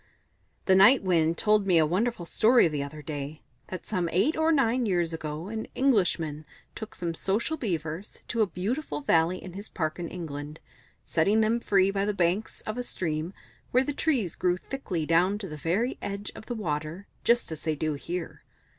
"The Night Wind told me a wonderful story the other day that some eight or nine years ago an Englishman took some Social Beavers to a beautiful valley in his park in England, setting them free by the banks of a stream, where the trees grew thickly down to the very edge of the water, just as they do here.